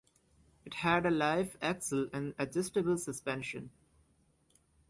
It had a live axle and adjustable suspension.